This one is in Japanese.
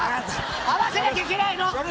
合わせなきゃいけないの。